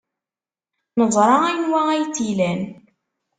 Neẓra anwa ay tt-ilan.